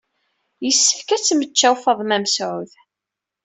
Yessefk ad temmecčaw Faḍma Mesɛud.